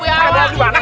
tidak ada opo